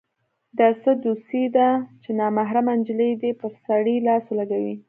دا څه دوسي ده چې نامحرمه نجلۍ دې پر سړي لاس ولګوي.